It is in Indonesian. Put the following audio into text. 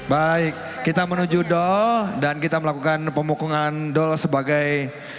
baik kita menuju dol dan kita melakukan pemukungan dol sebagai